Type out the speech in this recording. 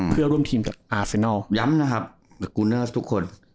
เพื่อร่วมทีมกับอาร์เซนัลย้ำนะครับทุกคน